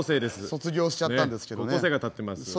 卒業しちゃったんですけどね。